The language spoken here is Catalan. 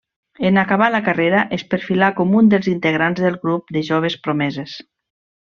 En acabar la carrera es perfilà com un dels integrants del grup de joves promeses.